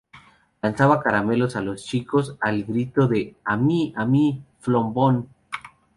Lanzaba caramelos a los chicos al grito de "A mí, a mí Flon Bon".